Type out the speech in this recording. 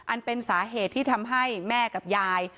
เป็นสาเหตุที่ทำให้แม่กับยาย